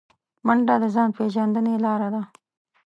منډه د ځان پیژندنې لاره ده